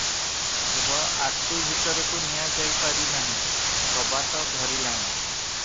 କେବଳ ଆଟୁ ଭିତରକୁ ନିଆଁ ଯାଇପାରି ନାହିଁ, କବାଟ ଧରିଲାଣି ।